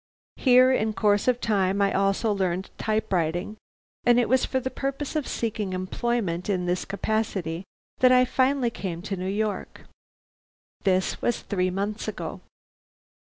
"Here, in course of time, I also learned type writing, and it was for the purpose of seeking employment in this capacity that I finally came to New York. This was three months ago.